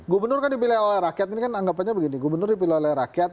gubernur kan dipilih oleh rakyat ini kan anggapannya begini gubernur dipilih oleh rakyat